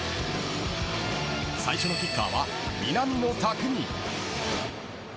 最初のキッカーは南野拓実。